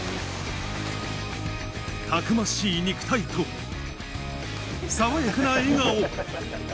たくましい肉体と、爽やかな笑顔。